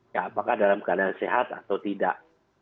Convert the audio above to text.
ya apakah dalam keadaan sehat atau tidak